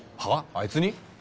あいつに？